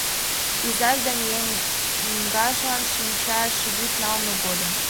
Изаж ден еҥгажлан шинчаш вӱд налме годым